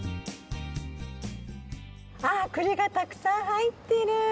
あっくりがたくさん入ってる！